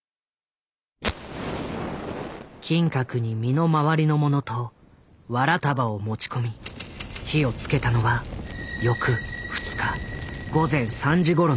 金閣に身の回りのものとわら束を持ち込み火をつけたのは翌２日午前３時ごろのことだった。